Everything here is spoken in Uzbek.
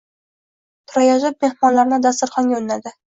Turayotib, mehmonlarni dasturxonga unnadi